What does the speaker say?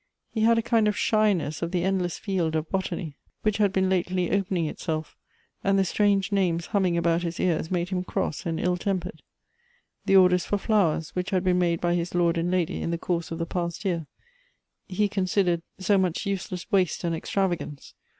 lie had a kind of shyness of the endless field of botany, which had been Lately opening itself, and the strange names humming about his ears made him cross and ill tempered. The orders for flowers which had been m.ade by his lord and lady in the course of the past year, he considered so much useless waste and extravagance.